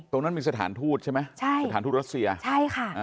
ตรงนั้นมีสถานทูตใช่ไหมใช่สถานทูตรัสเซียใช่ค่ะอ่า